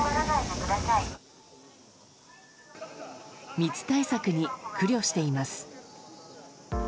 密対策に苦慮しています。